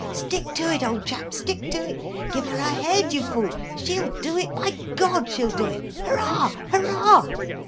Stick to it, old chap, stick to it! Give her her head, you fool! She'll do it by God, she'll do it! Hurrah! Hurrah!"